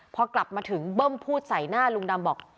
พอกลับมาถึงเบิ้มพูดใส่หน้าลุงดำบอก